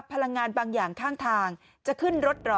พลังงานบางอย่างข้างทางจะขึ้นรถเหรอ